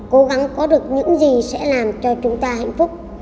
cố gắng có được những gì sẽ làm cho chúng ta hạnh phúc